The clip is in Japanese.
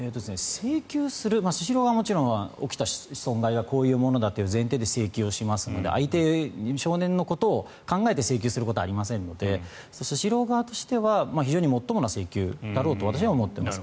請求するスシロー側はもちろん起きた損害はこういうものだと請求をしますので少年のことを考えて請求することはありませんのでスシロー側としては非常にもっともな請求だろうと私は思っています。